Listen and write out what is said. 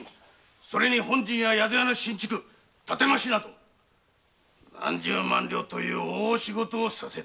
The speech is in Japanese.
それに本陣や宿屋の新築建て増しなど何十万両という大仕事をさせてやる。